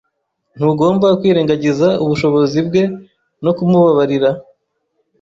Ntugomba kwirengagiza ubushishozi bwe no kumubabarira?